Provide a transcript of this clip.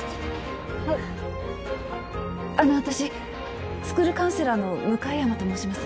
あの私スクールカウンセラーの向山と申します。